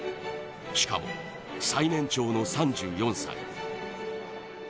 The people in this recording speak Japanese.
しかも最年長の３４歳。